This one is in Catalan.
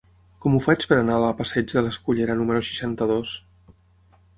Com ho faig per anar a la passeig de l'Escullera número seixanta-dos?